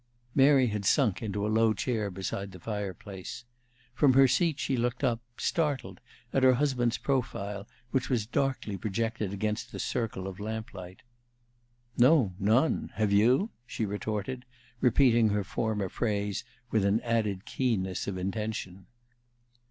_ Mary had sunk into a low chair beside the fireplace. From her seat she looked up, startled, at her husband's profile, which was darkly projected against the circle of lamplight. "No; none. Have you" she retorted, repeating her former phrase with an added keenness of intention.